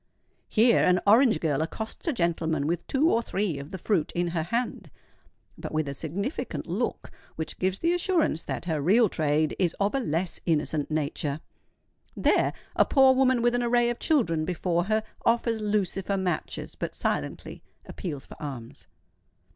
Here an orange girl accosts a gentleman with two or three of the fruit in her hand, but with a significant look which gives the assurance that her real trade is of a less innocent nature:—there a poor woman with an array of children before her, offers lucifer matches, but silently appeals for alms.